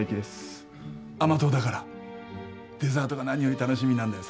甘党だからデザートが何より楽しみなんだよ。